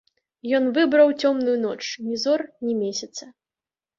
Ён выбраў цёмную ноч, ні зор, ні месяца.